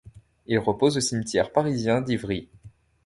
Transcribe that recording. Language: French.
Il repose au cimetière parisien d'Ivry.